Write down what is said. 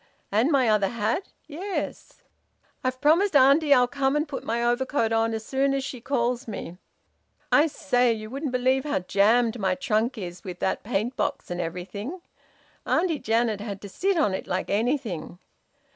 "And my other hat?" "Yes." "I've promised auntie I'll come and put my overcoat on as soon as she calls me. I say you wouldn't believe how jammed my trunk is with that paint box and everything! Auntie Janet had to sit on it like anything!